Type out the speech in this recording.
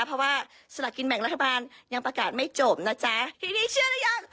เพราะว่าสละกินแบ่งรัฐบาลยังประกาศไม่จบนะจ๊ะทีนี้เชื่อหรือยัง